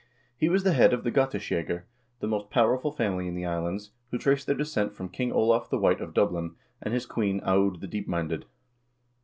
He was the head of the Gateskjegger, the most powerful family in the islands, who traced their descent from King Olav the White of Dublin, and his queen, Aud the Deepminded.